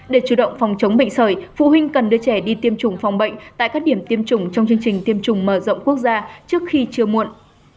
để chủ động phòng chống bệnh sởi phụ huynh cần đưa trẻ đi tiêm chủng phòng bệnh tại các điểm tiêm chủng trong chương trình tiêm chủng mở rộng quốc gia trước khi chưa muộn